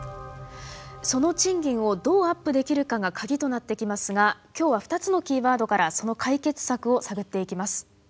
その賃金をどうアップできるかが鍵となってきますが今日は２つのキーワードからその解決策を探っていきます。